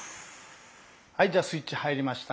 はいじゃあスイッチ入りました。